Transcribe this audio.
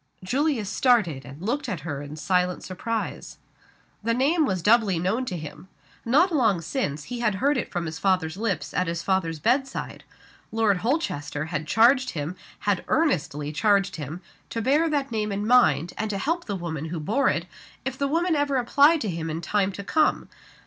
Julius started, and looked at her in silent surprise. The name was doubly known to him. Not long since, he had heard it from his father's lips, at his father's bedside. Lord Holchester had charged him, had earnestly charged him, to bear that name in mind, and to help the woman who bore it, if the woman ever applied to him in time to come.